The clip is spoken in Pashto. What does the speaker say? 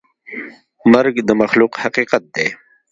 مرګ د مخلوق حقیقت دی.